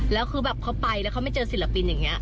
แล้วคือแบบเขาไปแล้วเขาไม่เจอศิลปินอย่างนี้